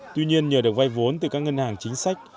tuy nhiên nhờ được vay vốn từ các ngân hàng chính sách